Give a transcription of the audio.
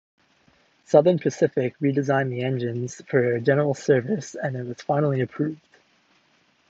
Southern Pacific re-designed the engines for general service and it was finally approved.